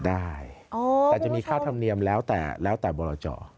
ได้แต่จะมีค่าธรรมเนียมแล้วแต่บราจอ